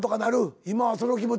今はその気持ち？